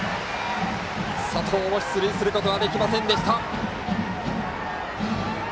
佐藤も出塁することはできませんでした。